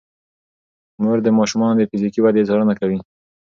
مور د ماشومانو د فزیکي ودې څارنه کوي.